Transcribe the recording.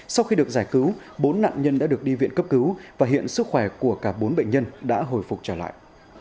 sau khi được giải cứu bốn nạn nhân đã được đi viện cấp cứu và hiện sức khỏe của cả bốn bệnh nhân đã hồi phục trở lại